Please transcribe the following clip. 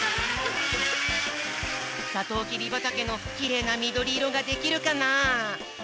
さとうきびばたけのきれいなみどりいろができるかな？